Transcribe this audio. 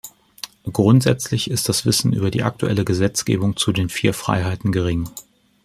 Grundsätzlich ist das Wissen über die aktuelle Gesetzgebung zu den vier Freiheiten gering.